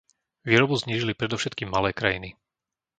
Výrobu znížili predovšetkým malé krajiny.